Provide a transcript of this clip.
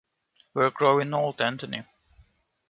We're growing old, Antoni.